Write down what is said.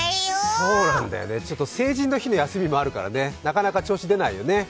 そうなんだよね、成人の日の休みもあるからね、なかなか調子、出ないよね。